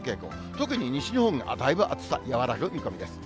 特に西日本がだいぶ暑さ、和らぐ見込みです。